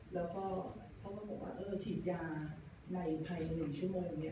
แล้วก็เขาก็บอกว่าเออฉีดยาในภายใน๑ชั่วโมงนี้